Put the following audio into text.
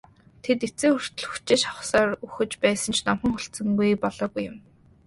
Тэд эцсээ хүртэл хүчээ шавхсаар үхэж байсан ч номхон хүлцэнгүй болоогүй юм.